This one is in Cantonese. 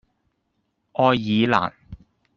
愛爾蘭